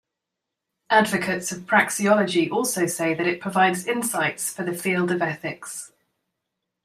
Advocates of praxeology also say that it provides insights for the field of ethics.